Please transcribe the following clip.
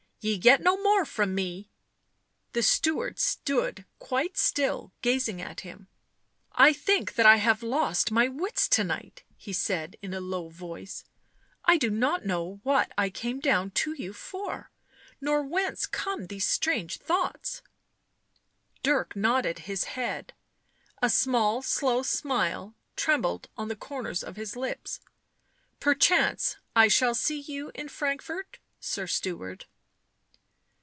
Ye get no more from me." The steward stood quite still, gazing at him. " I think that I have lost my wits to night," he said in a low voice. " I do not know what I came down to you for — nor whence come these strange thoughts." Dirk nodded his head; a small, slow smile trembled on the corners of his lips. " Perchance I shall see you in Frankfort, sir steward."